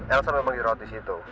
elsa memang dirawat di situ